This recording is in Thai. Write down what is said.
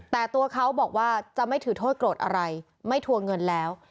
แต่ตัวเขาบอกว่าจะไม่ถือโทษโกรธอะไรไม่ทวงเงินแล้ว